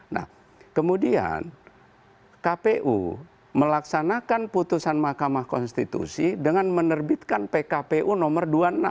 nah kemudian kpu melaksanakan putusan mahkamah konstitusi dengan menerbitkan pkpu nomor dua puluh enam